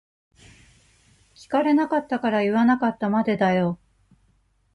聞かれなかったから言わなかったまでだよ。